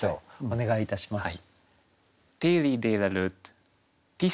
お願いいたします。